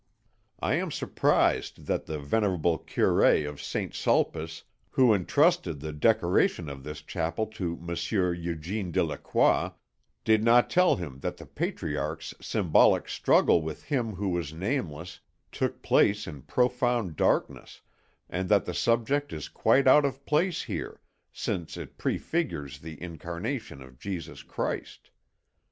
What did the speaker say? I am surprised that the Venerable Curé of St. Sulpice, who entrusted the decoration of this chapel to Monsieur Eugène Delacroix, did not tell him that the patriarch's symbolic struggle with Him who was nameless took place in profound darkness, and that the subject is quite out of place here, since it prefigures the Incarnation of Jesus Christ.